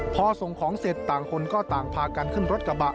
พอส่งของเสร็จต่างคนก็ต่างพากันขึ้นรถกระบะ